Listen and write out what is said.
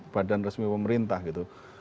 badan resmi pemerintah gitu